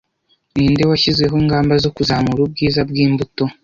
Ninde washyizeho ingamba zo kuzamura ubwiza bwimbuto